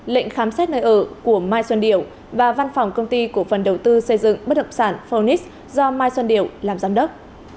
lệnh khám xét nơi ở của mai xuân điều và văn phòng công ty của phần đầu tư xây dựng bất hợp sản phonix do mai xuân điều làm giám đốc